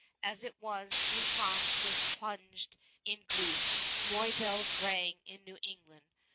As it was, New France was plunged in grief; joy bells rang in New England.